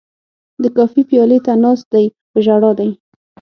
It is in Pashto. د کافي پیالې ته ناست دی په ژړا دی